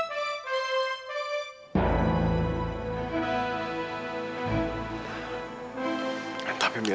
ya untung sangat kenceng